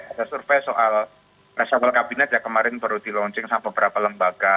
ada survei soal resafel kabinet yang kemarin baru dilaunching sama beberapa lembaga